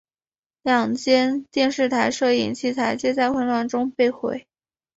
两间电视台摄影器材皆在混乱中被毁。